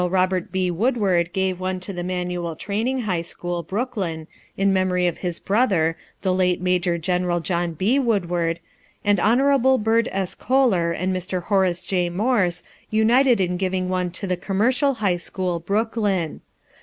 Robert B. Woodward gave one to the Manual Training High School (Brooklyn) in memory of his brother, the late Maj. Gen. John B. Woodward, and Hon. Bird S. Coler and Mr. Horace J. Morse united in giving one to the Commercial High School (Brooklyn).